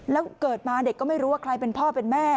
แล้วเกิดมาเด็กก็ไม่รู้ว่าใครเป็นพ่อเป็นแม่